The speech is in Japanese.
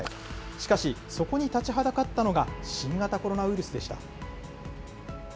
しかし、そこに立ちはだかったのが新型コロナウイルスでした。